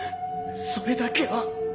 それだけは。